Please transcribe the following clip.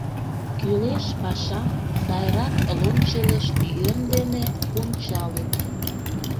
Кӱлеш пашам сайрак лончылыш йӧн дене пунчалыт.